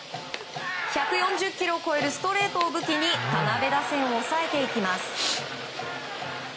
１４０キロを超えるストレートを武器に田辺打線を抑えていきます。